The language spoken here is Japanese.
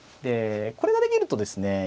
これができるとですね